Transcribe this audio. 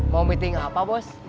mau meeting apa pos